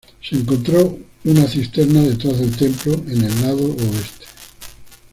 Se encontró una cisterna detrás del templo, en el lado oeste.